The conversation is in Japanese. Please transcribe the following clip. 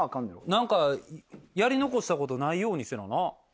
何かやり残したことないようにせなな。